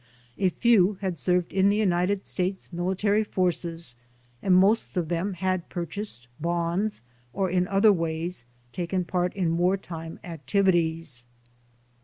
A few had served in the United States military forces, and most of them had pur chased bonds or in other ways taken part in war time activities.